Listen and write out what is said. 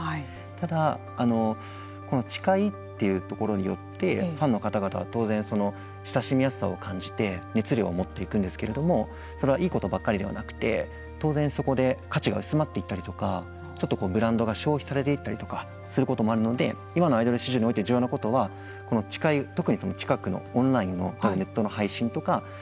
ただ、近いというところによってファンの方々は当然親しみやすさを感じて熱量を持っていくんですけれどもそれはいいことばかりではなくて当然そこで価値が薄まっていったりとかちょっとブランドが消費されていったりとかすることもあるので今のアイドル市場において重要なことは特に近くのオンラインでの配信とか。